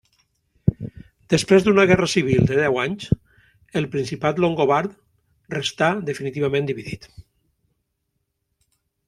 Després d'una guerra civil de deu anys, el principat longobard restà definitivament dividit.